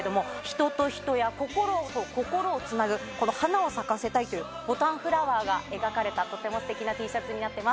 人と人や心と心をつなぐこの花を咲かせたいというボタンフラワーが描かれたとてもすてきなＴシャツになっています。